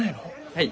はい。